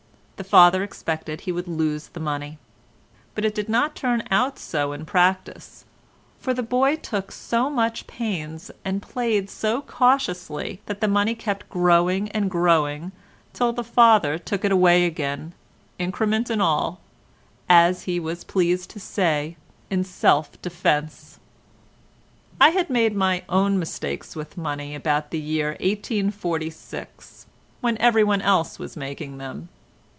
The father expected he would lose the money; but it did not turn out so in practice, for the boy took so much pains and played so cautiously that the money kept growing and growing till the father took it away again, increment and all—as he was pleased to say, in self defence. I had made my own mistakes with money about the year 1846, when everyone else was making them.